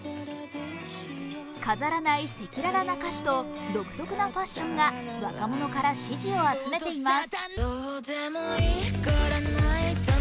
飾らない赤裸々な歌詞と独特なファッションが若者から支持を集めています。